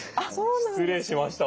失礼しました。